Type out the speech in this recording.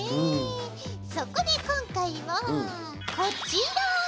そこで今回はこちら。